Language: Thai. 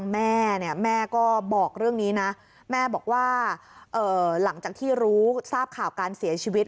แม่เนี่ยแม่ก็บอกเรื่องนี้นะแม่บอกว่าหลังจากที่รู้ทราบข่าวการเสียชีวิต